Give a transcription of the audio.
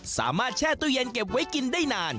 แช่ตู้เย็นเก็บไว้กินได้นาน